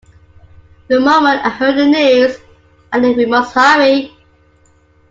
The moment I heard the news I knew we must hurry.